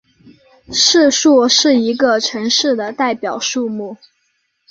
市树是一个城市的代表树木。